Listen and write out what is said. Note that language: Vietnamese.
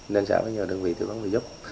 nên xã phải nhờ đơn vị thư vấn vẽ giúp